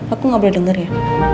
aku nggak boleh denger ya